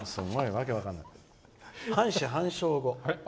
半死半生語。